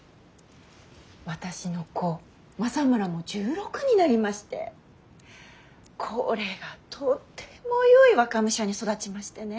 私の子政村も１６になりましてこれがとてもよい若武者に育ちましてね。